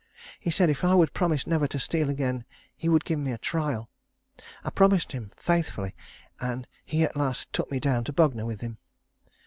He said if I would promise never to steal again he would give me a trial. I promised him faithfully, and he at last took me down to Bognor with him.